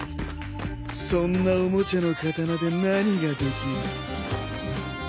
そんなおもちゃの刀で何ができる。